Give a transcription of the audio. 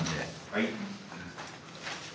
はい。